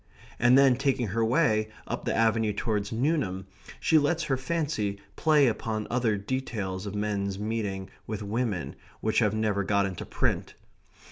and then, taking her way up the avenue towards Newnham, she lets her fancy play upon other details of men's meeting with women which have never got into print.